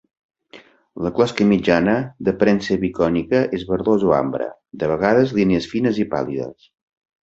La closca mitjana, d’aparença bicònica és verdós o ambre; de vegades línies fines i pàl·lides.